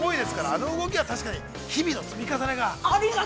あの動きは確かに、日々の積み重ねが。